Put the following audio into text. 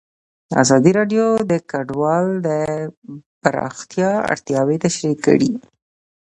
ازادي راډیو د کډوال د پراختیا اړتیاوې تشریح کړي.